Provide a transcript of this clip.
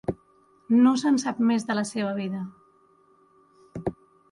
No se'n sap més de la seva vida.